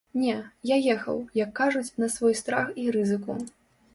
Не, я ехаў, як кажуць, на свой страх і рызыку.